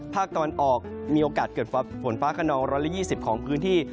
ภาคตะวันออกมีโอกาสเกิดฝนฟ้าขนอง๑๒๐ของพื้นที่